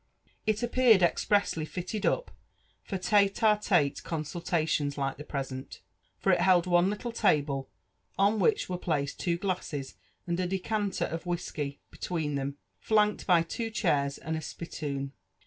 It appeared expressly fitted uptor We i^tele consultations like the present ; for it held one little table, on which were placed two glasses, and a decanter of whiskey between them, flanked by two chairs and a spittoon.